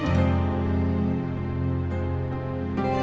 ya udah aku mau pulang